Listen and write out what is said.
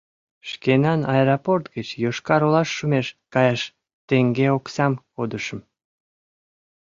Шкенан аэропорт гыч Йошкар-Олаш шумеш каяш теҥге оксам кодышым.